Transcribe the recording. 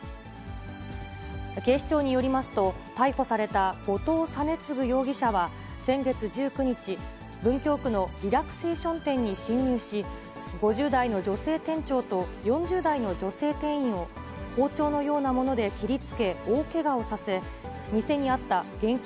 警視庁によりますと、逮捕された後藤仁乙容疑者は、先月１９日、文京区のリラクセーション店に侵入し、５０代の女性店長と４０代の女性店員を、包丁のようなもので切りつけ、大けがをさせ、店にあった現金